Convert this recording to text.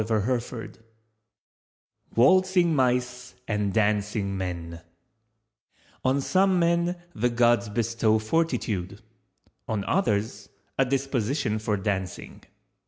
WALTZING MICE AND DANCING MEN "On some men the Gods bestow Fortitude, On others a disposition for Dancing."